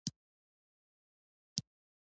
د غلام ګل ګوروان او اخندزاده صاحب کیسه مې یاده شوه.